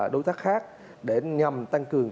đối tác khác để nhằm tăng cường